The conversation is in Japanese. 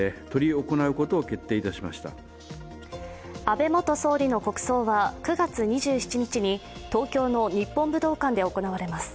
安倍元総理の国葬は９月２７日に東京の日本武道館で行われます。